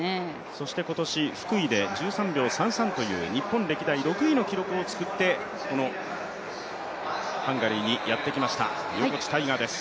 そして今年、福井で１３秒３３という日本歴代６位の記録を作ってこのハンガリーにやってきました、横地大雅です。